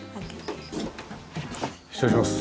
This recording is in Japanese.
失礼します。